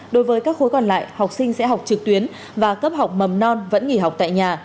đối với các khối còn lại học sinh sẽ học trực tuyến và cấp học mầm non vẫn nghỉ học tại nhà